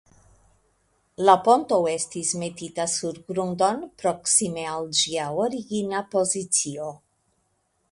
La ponto estis metita sur grundon proksime al ĝia origina pozicio.